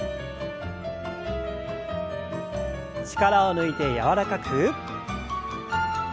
力を抜いて柔らかく。